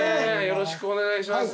よろしくお願いします。